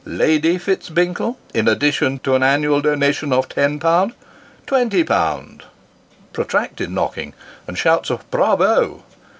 Lady Fitz Binkle, in addition to an annual donation of ten pound twenty pound " [protracted knock ing and shouts of " Bravo